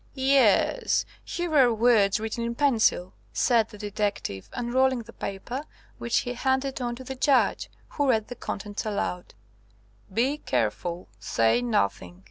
"Yes, here are words written in pencil," said the detective, unrolling the paper, which he handed on to the Judge, who read the contents aloud "Be careful. Say nothing.